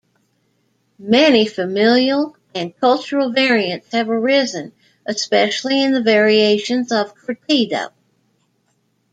Many familial and cultural variants have arisen, especially in the variations of "curtido".